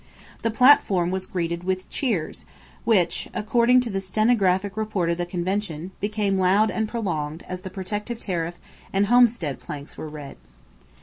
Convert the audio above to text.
The platform was greeted with cheers which, according to the stenographic report of the convention, became loud and prolonged as the protective tariff and homestead planks were read.